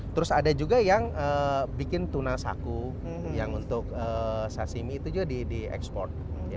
terus ada juga yang bikin tuna saku yang untuk sashimi itu juga di eksport